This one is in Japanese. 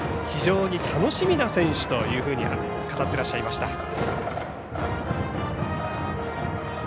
非常に楽しみな選手というふうに語ってらっしゃいました。